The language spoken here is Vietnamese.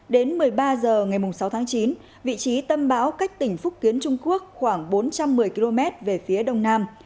đến một mươi ba h ngày sáu tháng chín vị trí tâm bão cách tỉnh phúc kiến trung quốc khoảng bốn trăm một mươi km về phía đông nam